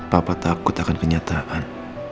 papa takut akan kenyataan